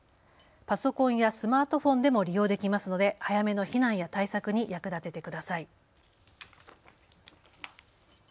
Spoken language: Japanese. パソコンやスマートフォンでも利用できますので早めの避難や対策に役立ててください。